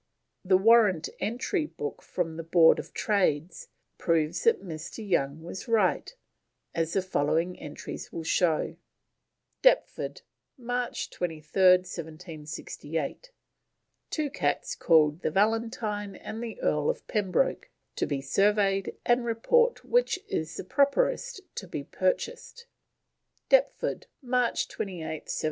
The Warrant Entry Book from Board of Trade proves that Dr. Young was right, as the following entries will show: "Deptford, March 23rd 1768. Two cats called the Valentine and the Earl of Pembroke to be surveyed and report which is the properest to be purchased." "Deptford, March 28th 1768.